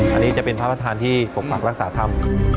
อันนี้จะเป็นพระประธานที่ปกปักรักษาธรรม